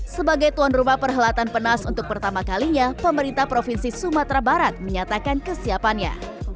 sebagai tuan rumah perhelatan penas untuk pertama kalinya pemerintah provinsi sumatera barat menyatakan kesiapannya